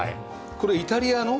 これイタリアの？